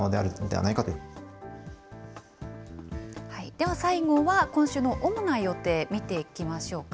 では最後は、今週の主な予定、見ていきましょうか。